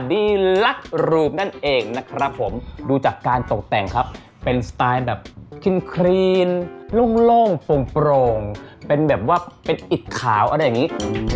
ดีลักรูปนั่นเองนะครับผมดูจากการตกแต่งครับเป็นสไตล์แบบครีนโล่งโปร่งเป็นแบบว่าเป็นอิดขาวอะไรอย่างนี้